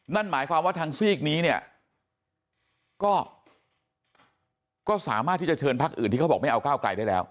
นั่นหมายความว่าทางซีกนี้เนี่ยก็สามารถที่จะเชิญพักอื่นที่เขาบอกไม่เอาก้าวไกลได้แล้ว